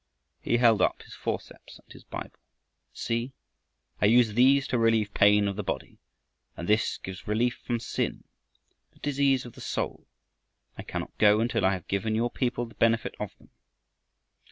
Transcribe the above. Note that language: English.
He held up his forceps and his Bible. "See! I use these to relieve pain of the body, and this gives relief from sin, the disease of the soul. I cannot go until I have given your people the benefit of them."